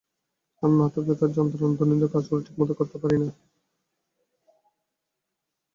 আমি মাথা ব্যথার যন্ত্রণায় দৈনন্দিন কাজগুলো ঠিকমত করতে পারি না।